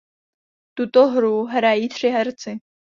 Tuto hru hrají tři herci.